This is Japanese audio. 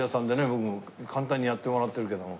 僕も簡単にやってもらってるけども。